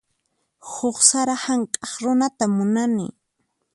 Huk sara hank'aq runata munani.